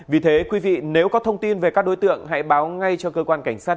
vì thế quý vị nếu có thông tin về các đối tượng hãy báo ngay cho cơ quan cảnh sát